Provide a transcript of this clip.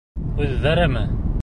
Үҙҙәреме?